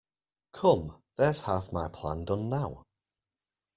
Come, there’s half my plan done now!